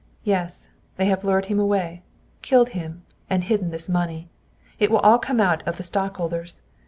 Yes; they have lured him away! Killed him, and hidden this money. It will all come out of the stockholders.